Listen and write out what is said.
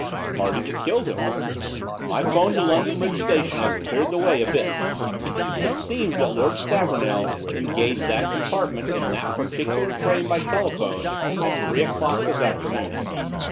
"Party that killed him. My 'phone to London Bridge station has cleared the way a bit. It seems that Lord Stavornell engaged that compartment in that particular train by telephone at three o'clock this afternoon.